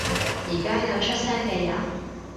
而家有出聲嘅人